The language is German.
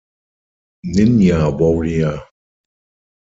Ninja Warrior".